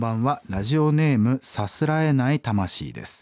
ラジオネームさすらえない魂です。